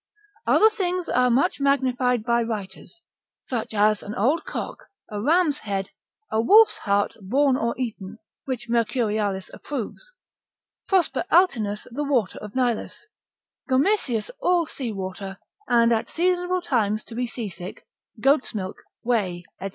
Other things are much magnified by writers, as an old cock, a ram's head, a wolf's heart borne or eaten, which Mercurialis approves; Prosper Altinus the water of Nilus; Gomesius all seawater, and at seasonable times to be seasick: goat's milk, whey, &c.